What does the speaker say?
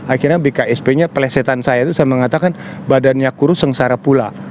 akhirnya bksp nya pelesetan saya itu saya mengatakan badannya kurus sengsara pula